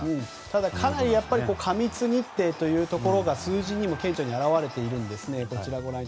ただ、かなり過密日程ということが数字にも顕著に表れているんですね。